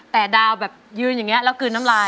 แต่ดาวแบบยืนอย่างนี้แล้วกลืนน้ำลาย